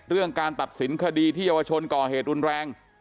การตัดสินคดีที่เยาวชนก่อเหตุรุนแรง